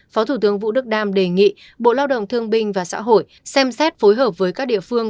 phó thủ tướng vũ đức đam đề nghị bộ lao động thương binh và xã hội xem xét phối hợp với các địa phương